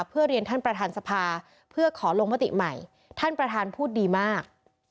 เพื่อเรียนท่านประธานสภาเพื่อขอลงมติใหม่ท่านประธานพูดดีมาก